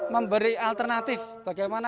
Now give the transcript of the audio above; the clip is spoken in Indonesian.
memberi alternatif bagaimana